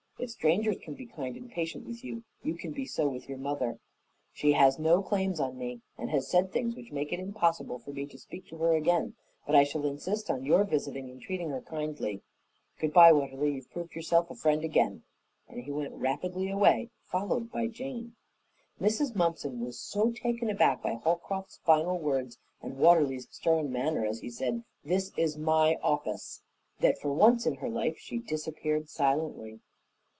If strangers can be kind and patient with you, you can be so with your mother. She has no claims on me and has said things which make it impossible for me to speak to her again, but I shall insist on your visiting and treating her kindly. Goodbye, Watterly. You've proved yourself a friend again," and he went rapidly away, followed by Jane. Mrs. Mumpson was so taken aback by Holcroft's final words and Watterly's stern manner as he said, "This is my office," that for once in her life she disappeared silently.